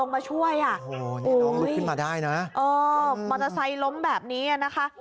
ม็อเตอร์ไซค์ล้มแบบนี้นะคะ